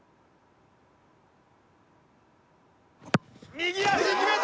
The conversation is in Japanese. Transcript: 右足決めた！